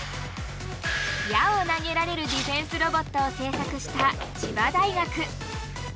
矢を投げられるディフェンスロボットを製作した千葉大学。